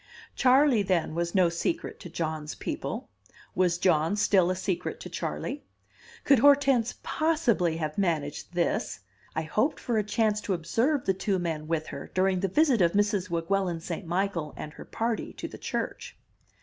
Charley, then, was no secret to John's people. Was John still a secret to Charley? Could Hortense possibly have managed this? I hoped for a chance to observe the two men with her during the visit of Mrs. Weguelin St. Michael and her party to the church.